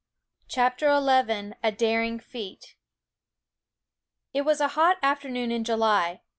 CHAPTER XI A Daring Feat It was a hot afternoon in July.